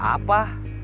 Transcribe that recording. dibayar buat apa